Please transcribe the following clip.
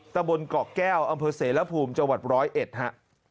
ตะบนเกาะแก้วอำเภอเสรภูมิจังหวัด๑๐๑ฮะ